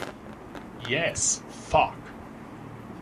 Yes, fuck!